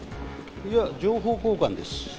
いや、情報交換です。